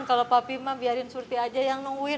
kalau papi mah biarin surti aja yang nungguin